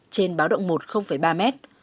trên báo động một ba mét